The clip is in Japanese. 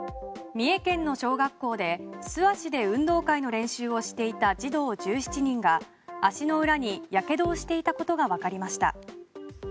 三重県の小学校で素足で運動会の練習をしていた児童１７人が足の裏にやけどをしていたことがわかりました。